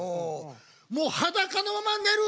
もう裸のまま寝る！